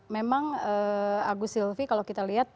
memang agus silvi kalau kita lihat